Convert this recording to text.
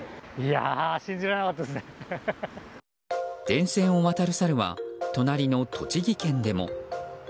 電線を渡るサルは隣の栃木県でも。